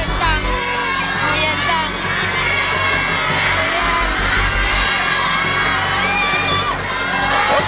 คุณภาคมือเย็นจัง